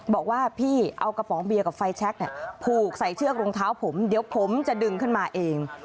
บอกว่าพี่เอากระป๋องเบียร์กับไฟแชคผูกใส่เชือกรองเท้าผมเดี๋ยวผมจะดึงขึ้นมาเอง